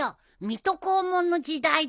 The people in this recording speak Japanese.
水戸黄門の時代でしょ。